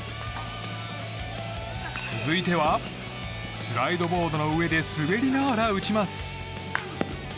続いては、スライドボードの上で滑りながら打ちます。